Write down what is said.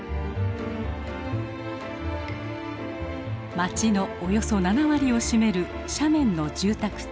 街のおよそ７割を占める斜面の住宅地。